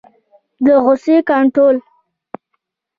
د غصې کنټرول